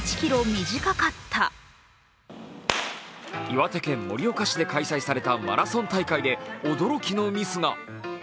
岩手県盛岡市で開催されたマラソン大会で驚きのミスが。